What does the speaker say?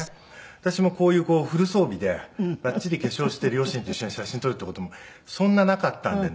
私もこういうフル装備でバッチリ化粧して両親と一緒に写真撮るっていう事もそんななかったんでね。